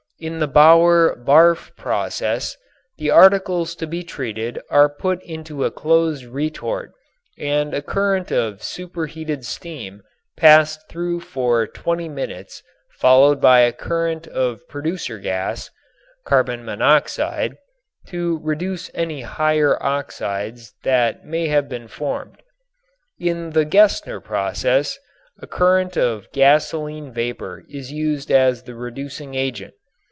In the Bower Barff process the articles to be treated are put into a closed retort and a current of superheated steam passed through for twenty minutes followed by a current of producer gas (carbon monoxide), to reduce any higher oxides that may have been formed. In the Gesner process a current of gasoline vapor is used as the reducing agent.